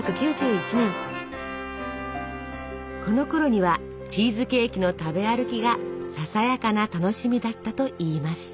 このころにはチーズケーキの食べ歩きがささやかな楽しみだったといいます。